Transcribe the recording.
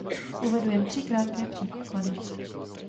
Uvedu jen tři krátké příklady.